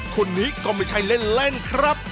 คนนี้ก็ไม่ใช่เล่นครับ